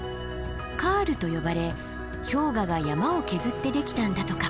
カールと呼ばれ氷河が山を削ってできたんだとか。